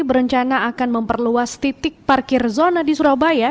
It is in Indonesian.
berencana akan memperluas titik parkir zona di surabaya